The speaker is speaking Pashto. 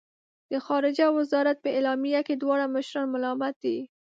د خارجه وزارت په اعلامیه کې دواړه مشران ملامت دي.